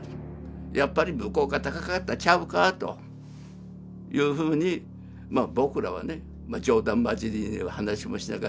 やっぱり向こうが高かったんちゃうかというふうに僕らはね冗談交じりに話もしながら。